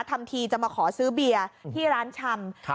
ทำทีจะมาขอซื้อเบียร์ที่ร้านชำ